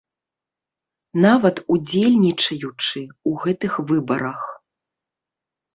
Нават удзельнічаючы ў гэтых выбарах.